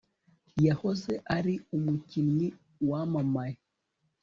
Yahoze ari umukinnyi wamamaye